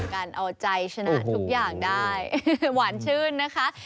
การเอาใจชนะทุกอย่างได้หวานชื่นนะคะ